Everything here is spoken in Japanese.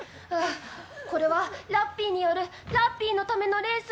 これは、ラッピーによるラッピーのためのレース。